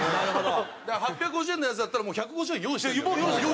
だから８５０円のやつだったらもう１５０円は用意してるんだよね。